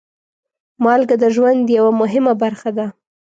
مالګه د ژوند یوه مهمه برخه ده.